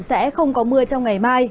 sẽ không có mưa trong ngày mai